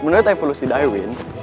menurut evolusi daewin